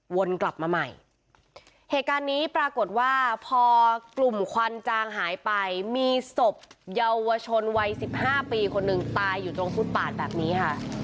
วนกลับมาใหม่เหตุการณ์นี้ปรากฏว่าพอกลุ่มควันจางหายไปมีศพเยาวชนวัยสิบห้าปีคนหนึ่งตายอยู่ตรงฟุตปาดแบบนี้ค่ะ